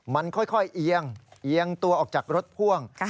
มันค่อยเอียงเอียงตัวออกจากรถพ่วง